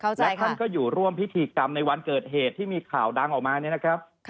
และท่านก็อยู่ร่วมพิธีกรรมในวันเกิดเหตุที่มีข่าวดังออกมาเนี่ยนะครับ